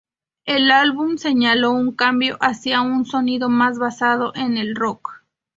El álbum señaló un cambio hacia un sonido más basado en el rock.